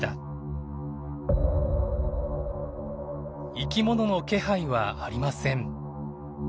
生きものの気配はありません。